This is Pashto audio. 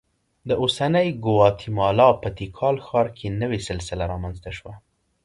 د اوسنۍ ګواتیمالا په تیکال ښار کې نوې سلسله رامنځته شوه